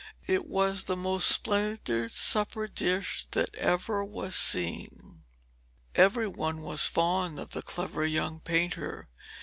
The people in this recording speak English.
It was the most splendid supper dish that ever was seen. Every one was fond of the clever young painter.